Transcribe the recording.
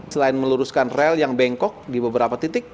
selain meluruskan rel yang bengkok di beberapa titik